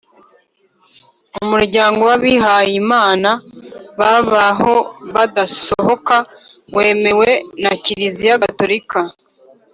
umuryango w’abihayimana babaho badasohoka, wemewe na kiliziya gatolika